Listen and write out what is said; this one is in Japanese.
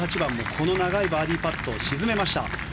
この長いバーディーパットを沈めました。